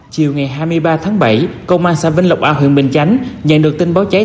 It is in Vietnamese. chiều ngày hai mươi ba tháng bảy công an xã vinh lộc a huyện bình chánh nhận được tin báo cháy